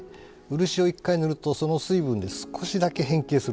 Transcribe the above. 漆を一回塗るとその水分で少しだけ変形するんです。